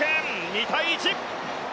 ２対１。